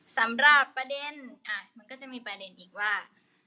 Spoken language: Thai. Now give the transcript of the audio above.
สำหรับประเด็นมันก็จะมีประเด็นอีกว่า